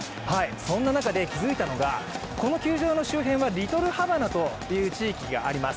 そんな中で気付いたのがこの球場周辺にはリトルハバナがあります。